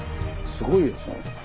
すごいですね。